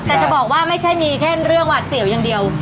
แต่ว่าไม่ใช่มีแค่เรื่องเซียวยังเดียว